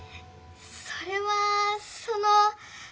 それはその。